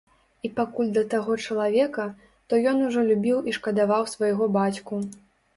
І пакуль да таго чалавека, то ён ужо любіў і шкадаваў свайго бацьку.